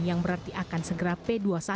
yang berarti akan segera p dua puluh satu